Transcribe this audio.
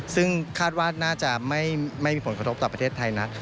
ซึ่งคาดว่าน่าจะไม่มีผลกระทบต่อประเทศไทยนัก